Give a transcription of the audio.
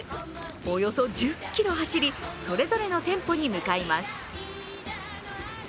およそ１０ｋｍ走りそれぞれの店舗に向かいます。